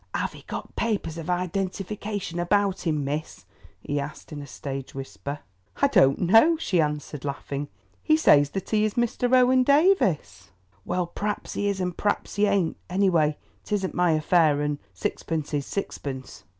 "Have he got papers of identification about him, miss?" he asked in a stage whisper. "I don't know," she answered laughing. "He says that he is Mr. Owen Davies." "Well, praps he is and praps he ain't; anyway, it isn't my affair, and sixpence is sixpence."